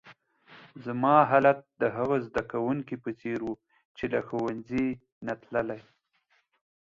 زما حالت د هغه زده کونکي په څېر وو، چي له ښوونځۍ نه تللی.